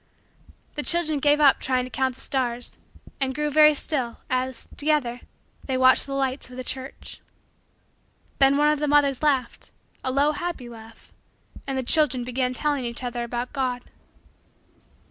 The children gave up trying to count the stars and grew very still, as, together, they watched the lights of the church. Then one of the mothers laughed, a low happy laugh, and the children began telling each other about God.